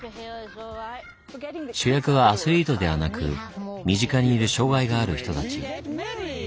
主役はアスリートではなく身近にいる障害がある人たち。